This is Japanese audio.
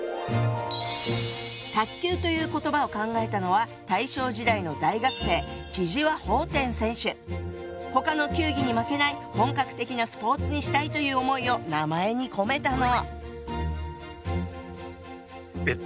「卓球」という言葉を考えたのは大正時代の大学生他の球技に負けない本格的なスポーツにしたいという思いを名前に込めたの。